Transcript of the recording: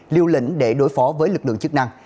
liều lĩnh để đối phó với lực lượng chức năng